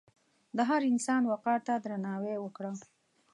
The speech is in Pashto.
د هر انسان وقار ته درناوی وکړه.